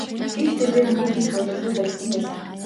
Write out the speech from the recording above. Гэвч тэрбээр нэг их удалгүй баригдсан байлаа.